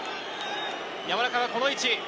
山中がこの位置。